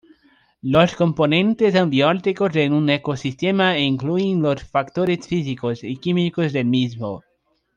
Los componentes abióticos de un ecosistema incluyen los factores físicos y químicos del mismo.